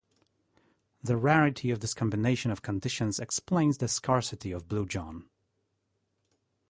The rarity of this combination of conditions explains the scarcity of Blue John.